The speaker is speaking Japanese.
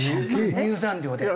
入山料で。